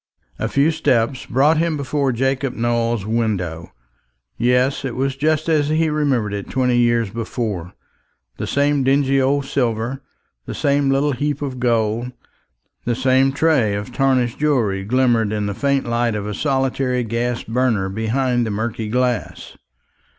A few steps brought him before Jacob Nowell's window. Yes, it was just as he remembered it twenty years before the same dingy old silver, the same little heap of gold, the same tray of tarnished jewelry glimmered in the faint light of a solitary gas burner behind the murky glass.